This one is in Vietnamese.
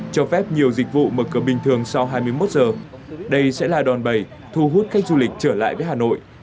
cho phép nhiều dịch vụ mở cửa bình thường sau hai mươi một giờ đây sẽ là đòn bầy thu hút khách du lịch trở lại với hà nội